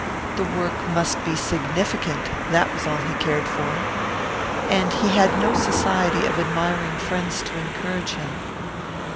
The work must be significant, that was all he cared for. And he had no society of admiring friends to encourage him.